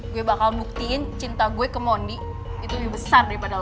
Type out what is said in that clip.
gue bakal buktiin cinta gue ke mondi itu lebih besar daripada lo